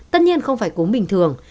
tất nhiên không phải cúm bình thường